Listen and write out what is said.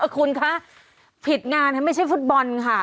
คุณคะผิดงานไม่ใช่ฟุตบอลค่ะ